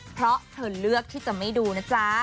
เพราะเธอเลือกที่จะไม่ดูนะจ๊ะ